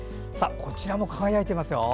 こちらも輝いていますよ。